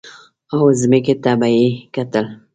او ځمکې ته به یې کتل.